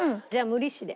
無利子で。